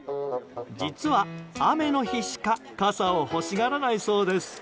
実は、雨の日しか傘を欲しがらないそうです。